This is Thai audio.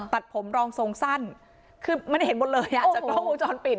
ตัดผมรองทรงสั้นคือมันเห็นหมดเลยอ่ะจากกล้องวงจรปิด